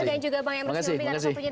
dan juga bang emerson nomi